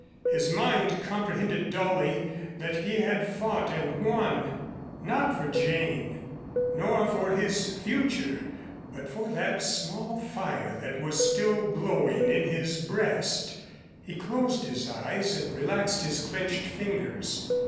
His mind comprehended dully that he had fought and won, not for Jane, nor for his future, but for that small fire that was still glowing in his breast. He closed his eyes and relaxed his clenched fingers.